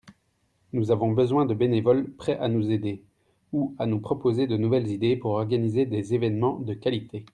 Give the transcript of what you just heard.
nous avons besoin de bénévoles prêts à nous aider ou à nous proposer de nouvelles idées pour organiser des évènements de qualité.